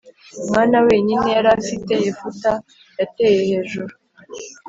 mwana wenyine yari afite Yefuta yateye hejuru